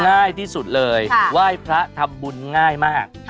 ง่ายที่สุดเลยไหว้พระทำบุญง่ายมาก